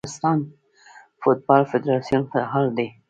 د افغانستان فوټبال فدراسیون فعال دی.